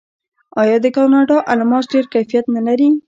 آیا د کاناډا الماس ډیر کیفیت نلري؟